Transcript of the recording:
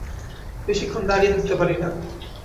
বেশিক্ষণ দাঁড়িয়ে থাকতে পারি না।